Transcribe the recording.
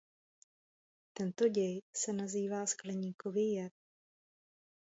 Tento děj se nazývá skleníkový jev.